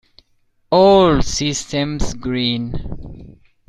All systems green.